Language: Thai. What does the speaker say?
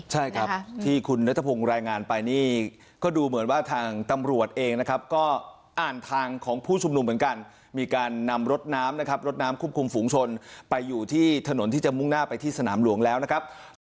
ใช่ครับที่คุณนัทพงศ์รายงานไปนี่ก็ดูเหมือนว่าทางตำรวจเองนะครับก็อ่านทางของผู้ชุมนุมเหมือนกันมีการนำรถน้ำนะครับรถน้ำควบคุมฝูงชนไปอยู่ที่ถนนที่จะมุ่งหน้าไปที่สนามหลวงแล้วนะครับ